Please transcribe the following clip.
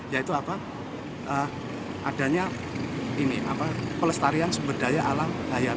yaitu apa adanya pelestarian sumber daya alam